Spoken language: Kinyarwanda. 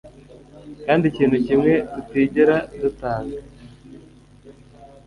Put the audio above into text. kandi ikintu kimwe tutigera dutanga